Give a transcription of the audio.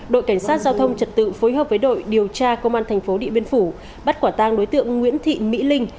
đội cảnh sát giao thông trật tự phối hợp với đội điều tra công an thành phố điện biên phủ bắt quả tang đối tượng nguyễn thị mỹ linh